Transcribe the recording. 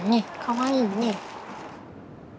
かわいいね。